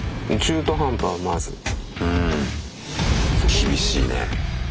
厳しいね。